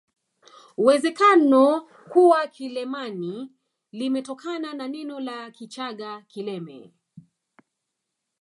Uwezekano kuwa Kilemani limetokana na neno la Kichaga kileme